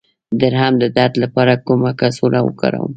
د رحم د درد لپاره کومه کڅوړه وکاروم؟